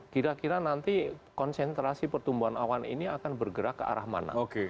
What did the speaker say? kira kira nanti konsentrasi pertumbuhan awan ini akan bergerak ke arah mana